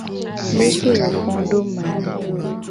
Leke wo fo do ma ?